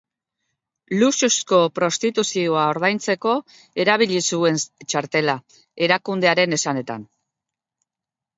Luxuzko prostituzioa ordaintzeko erabili zuen txartela, erakundearen esanetan.